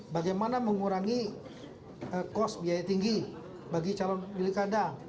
bagaimana mengurangi biaya tinggi bagi calon pihak pilkada